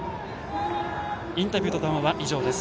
インタビューと談話は以上です。